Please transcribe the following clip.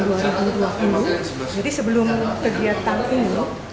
jadi sebelum kegiatan ini